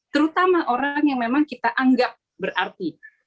terutama orang yang memang kita anggap berarti